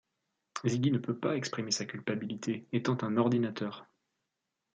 Ziggy ne peut pas exprimer sa culpabilité, étant un ordinateur.